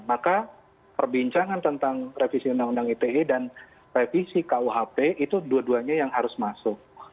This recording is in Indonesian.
maka perbincangan tentang revisi undang undang ite dan revisi kuhp itu dua duanya yang harus masuk